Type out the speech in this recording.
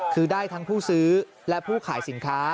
คือได้ทั้งผู้ซื้อและผู้ขายสินค้า